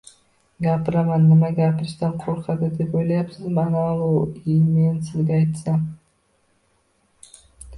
– Gapiraman! Nima, gapirishdan qo‘rqadi deb o‘ylayapsizmi? Anavi-i… Men sizga aytsam…